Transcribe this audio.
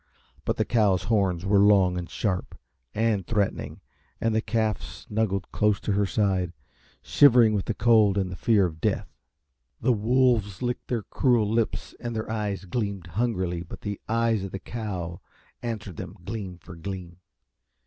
But the cow's horns were long, and sharp, and threatening, and the calf snuggled close to her side, shivering with the cold and the fear of death. The wolves licked their cruel lips and their eyes gleamed hungrily but the eyes of the cow answered them, gleam for gleam.